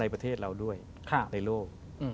ประเทศเราด้วยในโลก